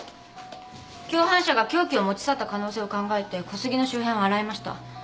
共犯者が凶器を持ち去った可能性を考えて小杉の周辺を洗いました。